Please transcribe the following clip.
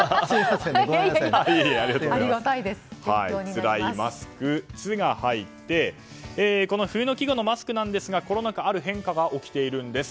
つらいマスク、「ツ」が入ってこの冬の季語のマスクコロナ禍である変化が起きています。